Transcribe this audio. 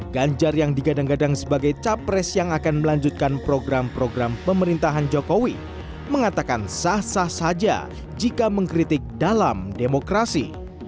ganjar yang digadang gadang sebagai capres yang akan melanjutkan program program pemerintahan jokowi mengatakan sah sah saja jika mengkritik dalam demokrasi